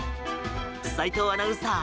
斎藤アナウンサー